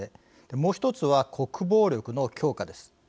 もう１つは、国防力の強化です。